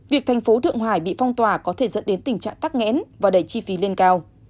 việc thành phố thượng hải bị phong tỏa có thể dẫn đến tình trạng tắc nghẽn và đẩy chi phí lên cao